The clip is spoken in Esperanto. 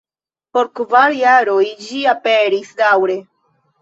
Por kvar jaroj ĝi aperis daŭre.